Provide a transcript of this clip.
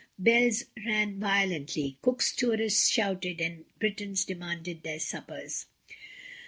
" bells rang violently, Cook's tourists shouted, and Britons demanded their suppers.